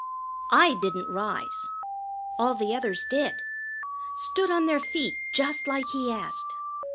I didn't rise. All the others did stood on their feet, just like he asked.